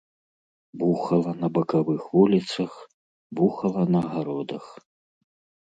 Бухала на бакавых вуліцах, бухала на гародах.